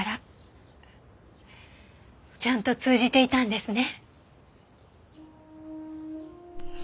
ちゃんと通じていたんですね。